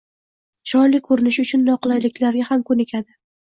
Chiroyli ko‘rinish uchun noqulayliklarga ham ko’nikadi.